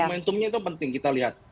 momentumnya itu penting kita lihat